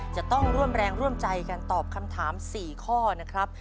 จะต้องร่วมแรงร่วมใจกันตอบคำถาม๔ข้อนะครับ